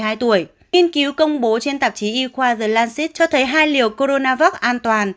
nhiên cứu công bố trên tạp chí e quad the lancet cho thấy hai liều coronavac an toàn